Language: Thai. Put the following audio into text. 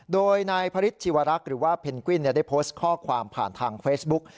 โดยนายพระฤทธิวรักษ์หรือว่าเพนกวินได้โพสต์ข้อความผ่านทางเฟซบุ๊ก